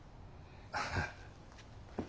ハハ。